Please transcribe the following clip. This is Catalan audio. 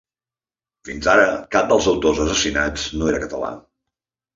Fins ara, cap dels autors assassinats no era català.